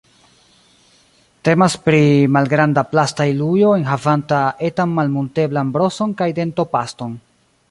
Temas pri malgranda plasta ilujo enhavanta etan malmunteblan broson kaj dentopaston.